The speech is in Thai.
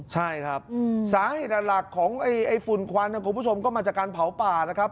ใช่ครับสาเหตุหลักของฝุ่นควันคุณผู้ชมก็มาจากการเผาป่านะครับ